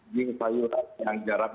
daging sayuran yang jarak